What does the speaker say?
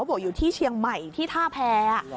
บอกอยู่ที่เชียงใหม่ที่ท่าแพร